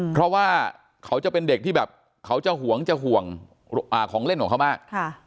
เพราะว่าเขาจะเป็นเด็กที่แบบเขาจะห่วงจะห่วงของเล่นของเขามาก